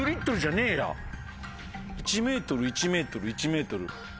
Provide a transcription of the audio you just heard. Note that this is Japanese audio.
１ｍ１ｍ１ｍ。